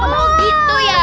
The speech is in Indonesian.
oh gitu ya